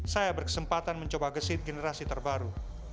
saya berkesempatan mencoba gesit generasi terbaru